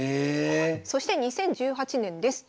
そして２０１８年です。